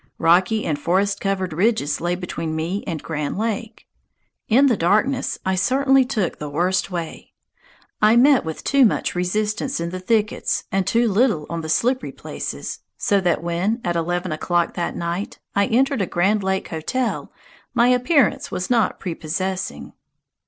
Rocky and forest covered ridges lay between me and Grand Lake. In the darkness I certainly took the worst way. I met with too much resistance in the thickets and too little on the slippery places, so that when, at eleven o'clock that night, I entered a Grand Lake Hotel, my appearance was not prepossessing.